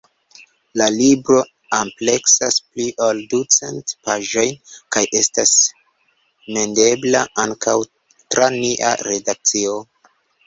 La libro ampleksas pli ol ducent paĝojn, kaj estas mendebla ankaŭ tra nia redakcio.